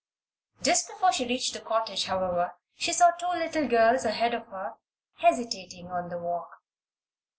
Just before she reached the cottage, however, she saw two little girls ahead of her, hesitating on the walk.